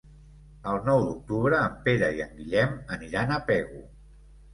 El nou d'octubre en Pere i en Guillem aniran a Pego.